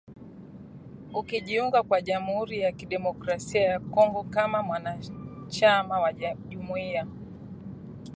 kujiunga kwa jamuhuri ya kidemokrasia ya Kongo kama mwanachama wa jumuiya